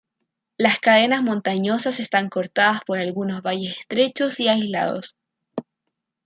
Las cadenas montañosas están cortadas por algunos valles estrechos y aislados.